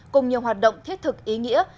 cùng nhiều hoạt động thiết thực ý nghĩa